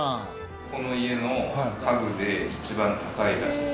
この家の家具で一番高いらしいです。